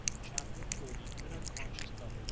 CHAPTER FORTY. AN UNCONSCIOUS DOUBLE.